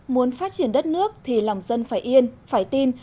muốn phát triển đất nước thì lòng dân phải yên phải tin